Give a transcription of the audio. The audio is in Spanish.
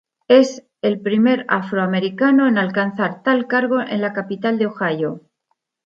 Es el primer afroamericano en alcanzar tal cargo en la capital de Ohio.